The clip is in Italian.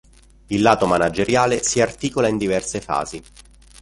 Il lato manageriale si articola in diverse fasi.